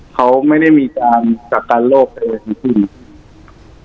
เขาไม่ได้มีการจัดการโรคไปอยู่ที่นี่